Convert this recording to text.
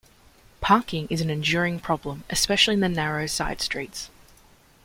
Parking is an enduring problem, especially in the narrow side-streets.